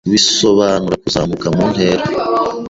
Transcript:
bisobanura kuzamuka mu ntera.